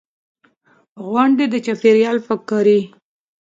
غونډې، د چاپېریال پاک کاري.